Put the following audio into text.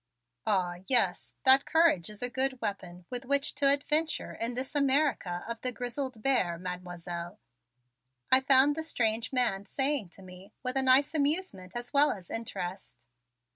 "Ah, yes, that courage is a good weapon with which to adventure in this America of the Grizzled Bear, Mademoiselle," I found the strange man saying to me with a nice amusement as well as interest.